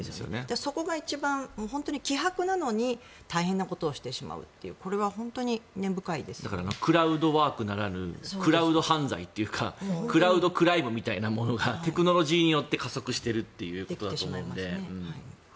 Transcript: そこが一番、本当に、希薄なのに大変なことをしてしまうっていうクラウドワークならぬクラウド犯罪というかクラウドクライムというのがテクノロジーによって加速しているということなので。